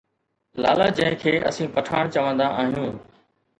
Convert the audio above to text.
لالا جنهن کي اسين پٺاڻ چوندا آهيون.